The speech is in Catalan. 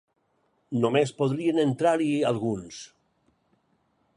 Només podrien entrar-hi alguns.